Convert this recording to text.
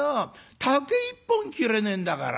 竹一本切れねえんだから。